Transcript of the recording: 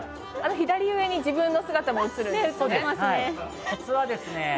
左上に自分の姿も映るんですね。